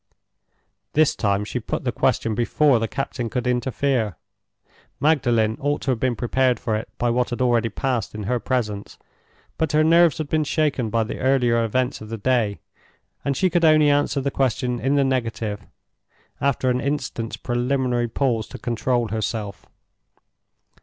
This time she put the question before the captain could interfere. Magdalen ought to have been prepared for it by what had already passed in her presence, but her nerves had been shaken by the earlier events of the day; and she could only answer the question in the negative, after an instant's preliminary pause to control herself.